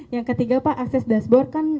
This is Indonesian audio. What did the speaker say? yang ketiga pak akses dashboard kan